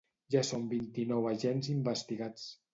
Ja són vint-i-nou agents investigats.